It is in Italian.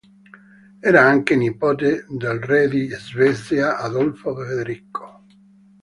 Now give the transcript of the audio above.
Era anche nipote del re di Svezia Adolfo Federico.